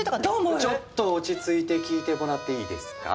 ちょっと落ち着いて聞いてもらっていいですか？